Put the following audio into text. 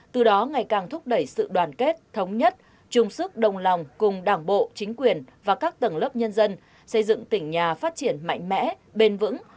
từ đó ngày càng thúc đẩy sự đoàn kết thống nhất chung sức đồng lòng cùng đảng bộ chính quyền và các tầng lớp nhân dân xây dựng tỉnh nhà phát triển mạnh mẽ bền vững